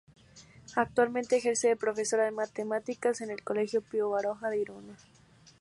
Actualmente ejerce de profesora de matemáticas en el colegio Pío Baroja de Irún.